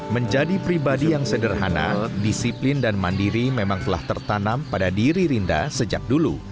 menjadi pribadi yang sederhana disiplin dan mandiri memang telah tertanam pada diri rinda sejak dulu